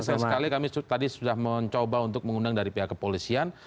saya sekali kami tadi sudah mencoba untuk mengundang dari pihak kepolisian